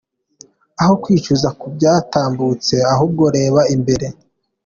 Aho kwicuza ku byatambutse ahubwo reba imbere.